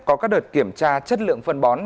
có các đợt kiểm tra chất lượng phân bón